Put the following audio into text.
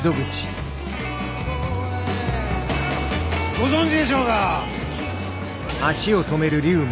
ご存じでしょうか？